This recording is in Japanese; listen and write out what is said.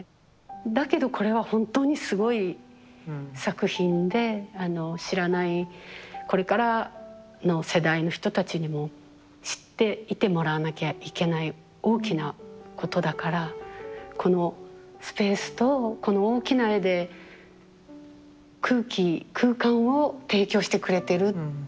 だけどこれは本当にすごい作品であの知らないこれからの世代の人たちにも知っていてもらわなきゃいけない大きなことだからこのスペースとこの大きな絵で空気空間を提供してくれてるっていうんでしょうかね。